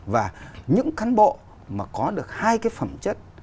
và những cán bộ mà có được hai cái phẩm chất